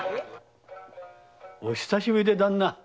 お久しぶりで旦那。